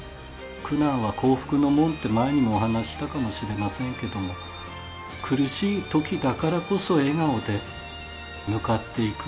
「苦難は幸福の門」って前にもお話ししたかもしれませんけども苦しいときだからこそ笑顔で向かっていく。